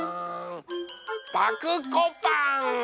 パクこパン！